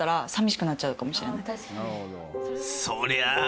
そりゃあ